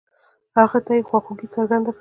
هغه ته يې خواخوږي څرګنده کړه.